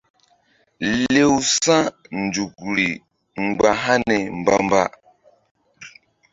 Lew sa̧nzukri mgba hani mba-mba.